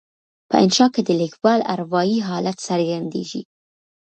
په انشأ کې د لیکوال اروایي حالت څرګندیږي.